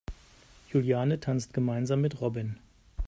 Juliane tanzt gemeinsam mit Robin.